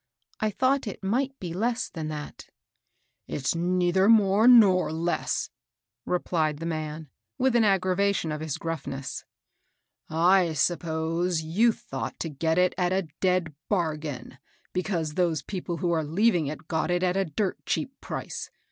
'^I thought it might be less than that." ^^ It's neither n^ore nor less," replied the man, with an aggravation of his grufihess. " I suppose you thought to get it a dead bargain, because those people who are leaving it got it at a dirt cheap price.